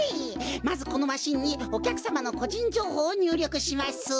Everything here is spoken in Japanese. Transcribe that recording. まずこのマシンにおきゃくさまのこじんじょうほうをにゅうりょくします。